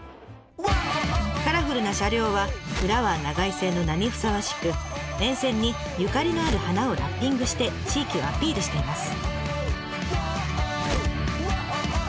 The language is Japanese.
カラフルな車両はフラワー長井線の名にふさわしく沿線にゆかりのある花をラッピングして地域をアピールしています。